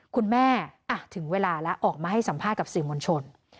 คุณแม่ถึงเวลาแล้วออกมาให้สัมภาษณ์กับสื่อมวลชน